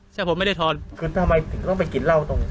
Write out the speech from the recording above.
เชื่อเที่ยวผมไม่ได้ทอน